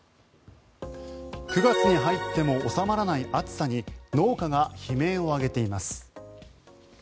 ９月に入っても収まらない暑さに農家が悲鳴を上げています。